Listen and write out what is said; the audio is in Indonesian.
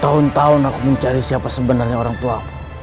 tahun tahun aku mencari siapa sebenarnya orang tua